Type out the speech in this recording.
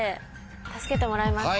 助けてもらいます。